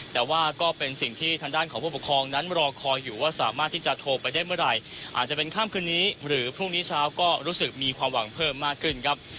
แต่ว่าก็เป็นสิ่งที่ทางด้านของผู้ปกครองนั้นรอคอยอยู่ว่าสามารถที่จะโทรไปได้เมื่อไหร่อาจจะเป็นข้ามคืนนี้หรือพรุ่งนี้เช้าก็รู้สึกมีความหวังเพิ่มมากขึ้นครับ